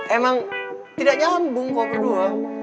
emang tidak nyambung kok berdua